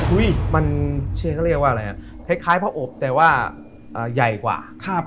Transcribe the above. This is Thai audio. อุ้ยมันเชียงก็เรียกว่าอะไรน่ะคล้ายพระอบแต่ว่าอ่าใหญ่กว่าครับ